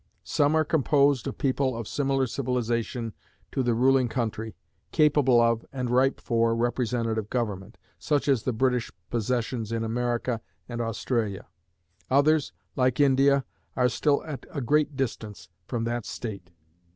Some are composed of people of similar civilization to the ruling country, capable of, and ripe for, representative government, such as the British possessions in America and Australia. Others, like India, are still at a great distance from that state.